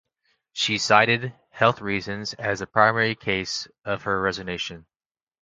She cited health reasons as the primary cause of her resignation.